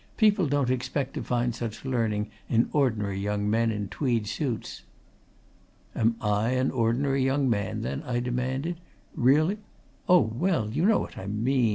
"People don't expect to find such learning in ordinary young men in tweed suits." "Am I an ordinary young man, then?" I demanded. "Really " "Oh, well, you know what I mean!"